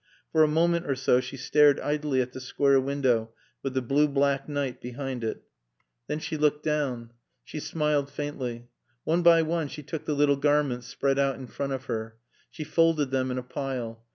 For a moment or so she stared idly at the square window with the blue black night behind it. Then she looked down. She smiled faintly. One by one she took the little garments spread out in front of her. She folded them in a pile.